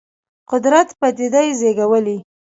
قدرت پدیده زېږولې.